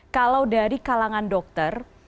kalau dari kalangan dokter